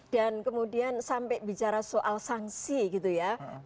dan kemudian sampai bicara soal sanksi gitu ya